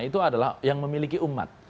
itu adalah yang memiliki umat